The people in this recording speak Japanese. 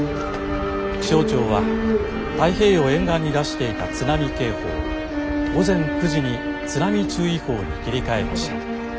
気象庁は太平洋沿岸に出していた津波警報を午前９時に津波注意報に切り替えました。